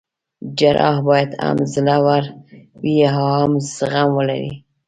جراح باید هم زړه ور وي او هم زغم ولري.